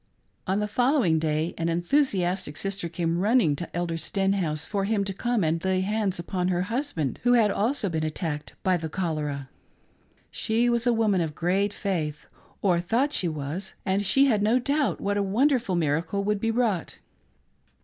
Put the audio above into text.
On the following day, an enthusiastic sister came running to Elder Stenhouse for him to come and lay hands upon her husband who had also been attacked by the cholera. She was a woman of great faith, or thought she was, and she had no doubt that a wonderful miracle would be vvrought.